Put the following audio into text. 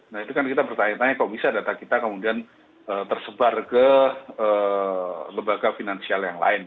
nah itu kan kita bertanya tanya kok bisa data kita kemudian tersebar ke lebaga finansialnya